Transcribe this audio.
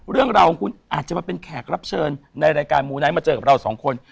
เรื่องราวของคุณอาจจะมาเป็นแขกรับเชิญในรายการมูไนท์มาเจอกับเราสองคน